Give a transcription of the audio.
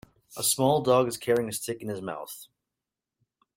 A small dog is carrying a stick in his mouth.